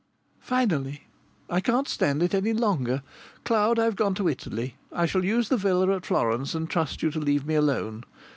" finally. I can't stand it any longer. Cloud, I'm gone to Italy. I shall use the villa at Florence, and trust you to leave me alone.